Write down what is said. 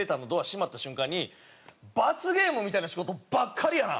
閉まった瞬間に「罰ゲームみたいな仕事ばっかりやな！」